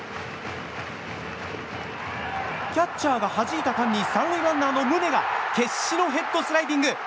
キャッチャーがはじいた間に３塁ランナーの宗が決死のヘッドスライディング！